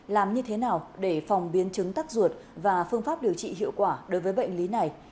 làm như thế nào để phòng biến chứng tắt ruột và phương pháp điều trị hiệu quả đối với bệnh lý này